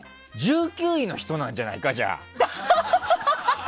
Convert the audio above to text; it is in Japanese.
１９位の人なんじゃないかじゃあ。